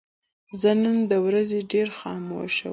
زه نن د ورځې ډېر خاموشه وم.